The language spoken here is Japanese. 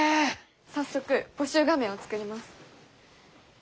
早速募集画面を作ります。